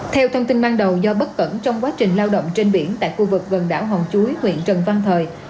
theo thông tin ban đầu do bất cẩn trong quá trình lao động trên biển tại khu vực gần đảo hòn chuối huyện trần văn thời